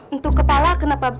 untuk kepala kenapa